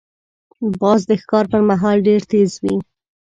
باز د ښکار پر مهال ډېر تیز وي